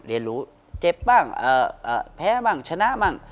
เรียนรู้เจ็บบ้างแพ้บ้างชนะบ้าง